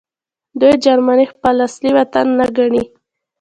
دوی جرمني خپل اصلي وطن نه ګڼي